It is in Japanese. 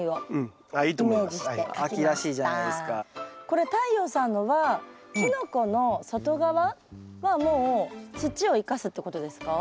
これ太陽さんのはキノコの外側はもう土を生かすってことですか？